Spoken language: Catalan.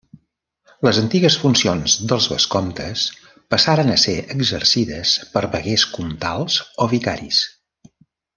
Les antigues funcions dels vescomtes passaren a ser exercides per veguers comtals o vicaris.